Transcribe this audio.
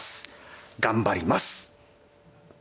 頑張ります！